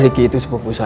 ricky itu sepupu saya